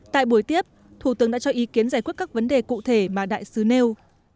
tại buổi tiếp thủ tướng đã cho ý kiến giải quyết các vấn đề cụ thể mà đại sứ nêu